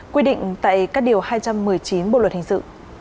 quy định tại các điều hai trăm một mươi chín bộ luật hình sự